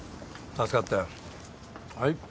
助かったよはい。